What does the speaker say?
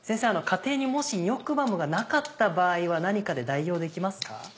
家庭にもしニョクマムがなかった場合は何かで代用できますか？